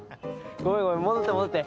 ごめんごめん戻って戻って。